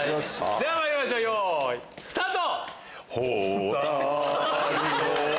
ではまいりましょうよいスタート！